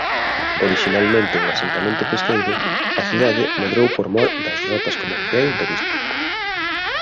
Orixinalmente un asentamento pesqueiro a cidade medrou por mor das rotas comerciais do Vístula.